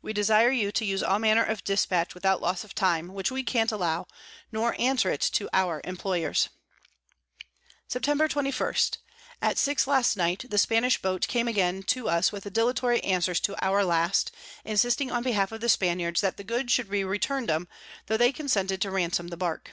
We desire you to use all manner of Dispatch without loss of time, which we can't allow, nor answer it to our Employers. Sept. 21. At six last night the Spanish Boat came again to us with dilatory Answers to our last, insisting on behalf of the Spaniards, that the Goods should be return'd 'em, tho they consented to ransom the Bark.